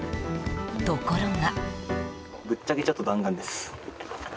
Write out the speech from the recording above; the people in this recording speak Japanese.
ところが。